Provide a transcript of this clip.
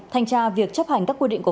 thanh tra việc chấp hành các quy định của